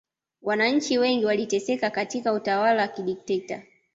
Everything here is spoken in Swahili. wananchi wengi waliteseka katika utawala wa kidikteta